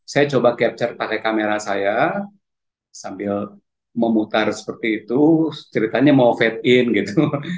saya coba capture pakai kamera saya sambil memutar seperti itu ceritanya mau fat in gitu